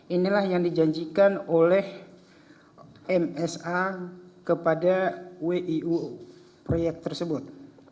inilah yang dijanjikan oleh msa kepada wiu proyek tersebut